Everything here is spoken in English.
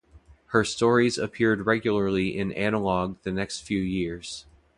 Her stories appeared regularly in "Analog" the next few years.